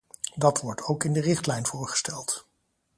Dat wordt ook in de richtlijn voorgesteld.